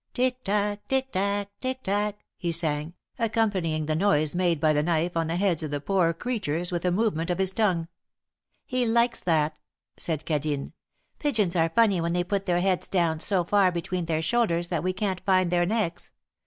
"Tic tac, tic tac, tic tac," he sang, accompanying the noise made by the knife on the heads of the poor creatures with a movement of his tongue. "He likes that!" said Cadine. "Pigeons are funny when they put their heads down so far between their shoulders that we can't find their necks."